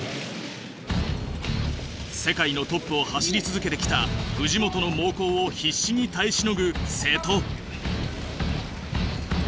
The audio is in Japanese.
世界のトップを走り続けてきた藤本の猛攻を必死に耐えしのぐ瀬戸。